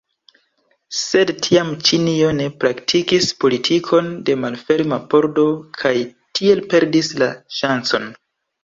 Sed tiam Ĉinio ne praktikis politikon de malferma pordo kaj tiel perdis la ŝancon.